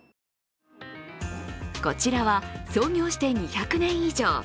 こちらは、創業して２００年以上。